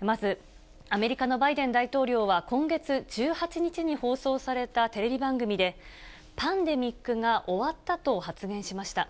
まず、アメリカのバイデン大統領は今月１８日に放送されたテレビ番組で、パンデミックが終わったと発言しました。